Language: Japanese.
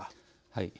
はい。